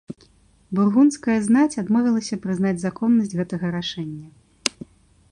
Бургундская знаць адмовілася прызнаць законнасць гэтага рашэння.